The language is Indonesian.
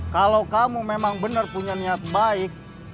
kalau kamu memang benar punya niat baik